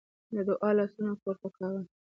د دعا لاسونه پورته کوي.